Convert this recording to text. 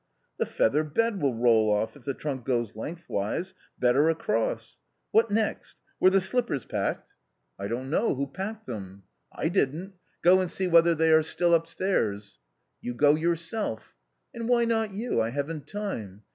" The feather bed will roll off, if the trunk goes lengthways; better across. What next ? Were the slippers packed ?" A COMMON STORY 21 " I don't know. Who packed them ?"" I didn't. Go and see whether they are still there up stairs." " You go yourself." " And why not you ? I haven't time